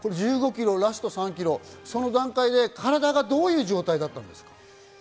１５ｋｍ、ラスト３ｋｍ、その段階で体がどういう状態だったんですか？